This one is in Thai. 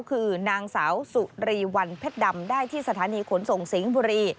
คือนางสาวสุรีวันเพชรดำได้ที่สถานีขนส่งสิงห์บุรี